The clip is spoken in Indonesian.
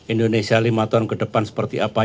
indonesia lima tahun kedepan seperti apa